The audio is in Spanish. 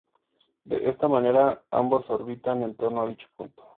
De esta manera ambos orbitan en torno a dicho punto.